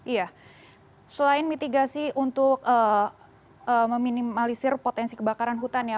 iya selain mitigasi untuk meminimalisir potensi kebakaran hutan ya